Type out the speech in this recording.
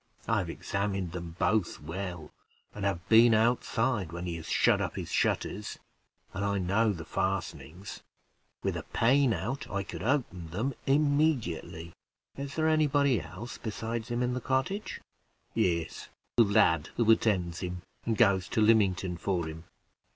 I have examined them both well, and have been outside when he has shut up his shutters, and I know the fastenings. With a pane out, I could open them immediately." "Is there any body else besides him in the cottage?" "Yes, a lad who attends him, and goes to Lymington for him."